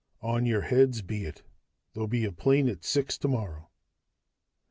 "On your heads be it. There'll be a plane at six tomorrow."